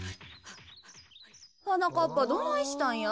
はなかっぱどないしたんや？